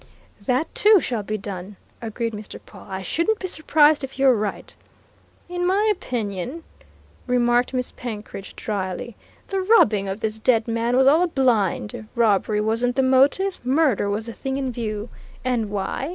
"That too shall be done," agreed Mr. Pawle. "I shouldn't be surprised if you're right." "In my opinion," remarked Miss Penkridge, dryly, "the robbing of this dead man was all a blind. Robbery wasn't the motive. Murder was the thing in view! And why?